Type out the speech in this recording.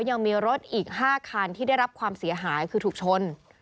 ยังมีรถอีก๕คันที่ได้รับความเสียหายคือถูกชน